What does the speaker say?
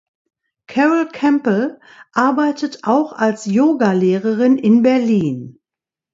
Carol Campbell arbeitet auch als Yogalehrerin in Berlin.